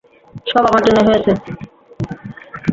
সব আমার জন্যই হয়েছে।